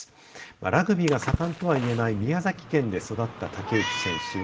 ラグビーが盛んとはいえない宮崎県で育った竹内選手